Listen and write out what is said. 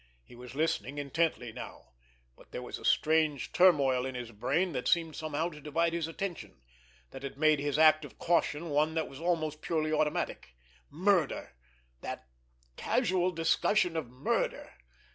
He was listening intently now—but there was a strange turmoil in his brain that seemed somehow to divide his attention, that had made his act of caution one that was almost purely automatic. Murder! That casual discussion of murder!